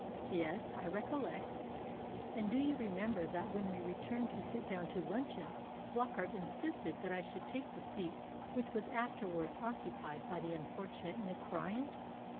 "Yes, I recollect." "And do you remember that when we returned to sit down to luncheon Flockart insisted that I should take the seat which was afterwards occupied by the unfortunate Miss Bryant?